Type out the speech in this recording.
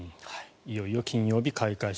いよいよ金曜日、開会式。